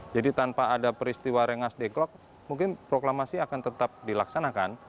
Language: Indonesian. jadi tanpa ada peristiwa rengas dengklok mungkin proklamasi akan tetap dilaksanakan